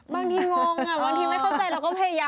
บางทีงงบางทีไม่สนใจ